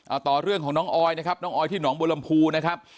เอาต่อเรื่องของน้องออยนะครับน้องออยที่หนองบัวลำพูนะครับ